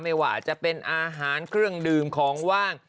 ไม่ว่าจะเป็นอาหารเครื่องดื่มของว่าง